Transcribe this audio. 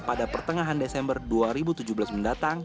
pada pertengahan desember dua ribu tujuh belas mendatang